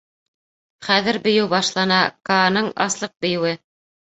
Хәҙер Бейеү башлана — Кааның аслыҡ бейеүе.